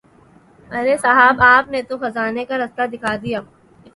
ارے صاحب آپ نے تو خزانے کا راستہ دکھا دیا۔